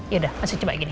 yaudah langsung coba gini